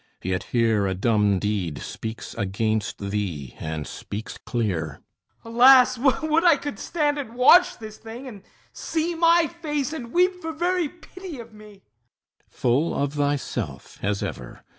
Yet here A dumb deed speaks against thee, and speaks clear! HIPPOLYTUS Alas! Would I could stand and watch this thing, and see My face, and weep for very pity of me! THESEUS Full of thyself, as ever!